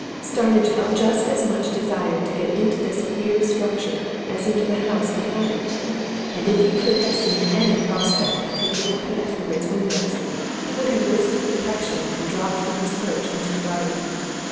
Starmidge felt just as much desire to get inside this queer structure as into the house behind it, and if he could have seen any prospect of taking a peep through its windows he would have risked detection and dropped from his perch into the garden.